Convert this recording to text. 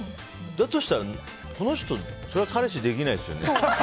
だとしたらこの人そりゃ彼氏できないですよね。